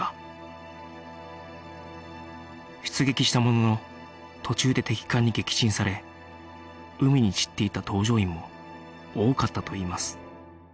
出撃したものの途中で敵艦に撃沈され海に散っていった搭乗員も多かったといいます